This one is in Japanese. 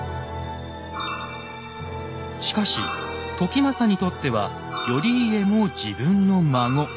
しかし時政にとっては頼家も自分の孫。